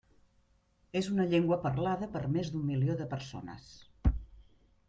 És una llengua parlada per més d'un milió de persones.